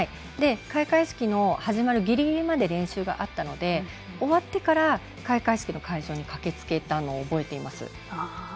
開会式が始まるギリギリまで練習があったので終わってから開会式の会場に駆けつけたのを覚えています。